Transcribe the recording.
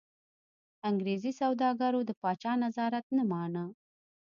انګرېزي سوداګرو د پاچا نظارت نه مانه.